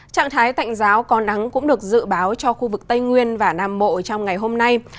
trạng thái tạnh giáo có nắng cũng được dự báo cho khu vực tây nguyên và nam bộ trong ngày hôm nay